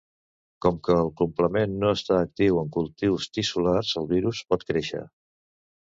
Com que el complement no està actiu en cultius tissulars el virus pot créixer.